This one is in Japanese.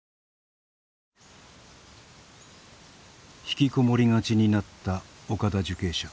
引きこもりがちになった岡田受刑者。